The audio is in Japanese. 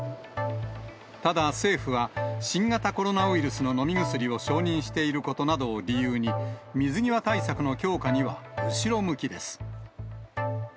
ただ、政府は、新型コロナウイルスの飲み薬を承認していることなどを理由に、水際対策の強化には後ろ向きです。